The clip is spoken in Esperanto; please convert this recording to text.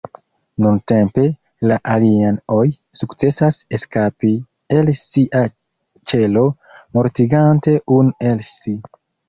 Dumtempe, la "alien-oj" sukcesas eskapi el sia ĉelo, mortigante unu el si.